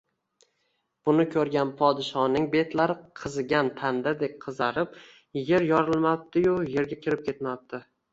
Buni ko‘rgan podshoning betlari qizigan tandirdek qizarib, yer yorilmabdi-yu, yerga kirib ketmabdi